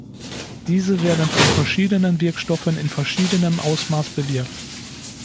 Diese werden von verschiedenen Wirkstoffen in verschiedenem Ausmaß bewirkt.